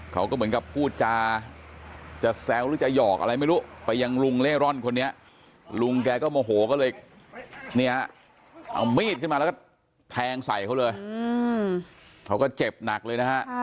เขาก็เหมือนกับพูดจาจะแซวหรือจะหยอกอะไรไม่รู้ไปยังลุงเล่ร่อนคนนี้ลุงแกก็โมโหก็เลยเนี่ยเอามีดขึ้นมาแล้วก็แทงใส่เขาเลยเขาก็เจ็บหนักเลยนะฮะ